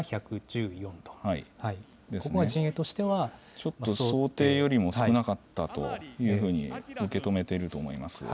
ちょっと想定よりも少なかったというふうに受け止めていると思います。